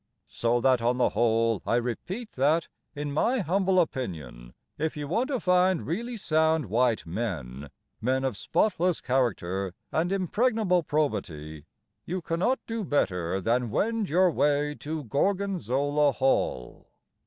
So that on the whole I repeat that, in my humble opinion, If you want to find Really sound, white men, Men of spotless character and impregnable probity, You cannot do better Than wend your way to Gorgonzola Hall.